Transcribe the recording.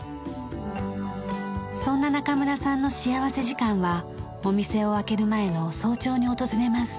そんな中村さんの幸福時間はお店を開ける前の早朝に訪れます。